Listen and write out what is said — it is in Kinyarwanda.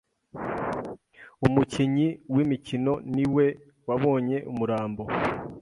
Umukinyi w'imikino ni we wabonye umurambo.